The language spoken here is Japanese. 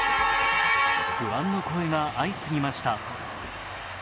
不安の声が相次ぎました。